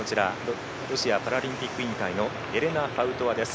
ロシアパラリンピック委員会のエレナ・パウトワです。